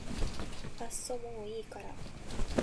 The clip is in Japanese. あっそもういいから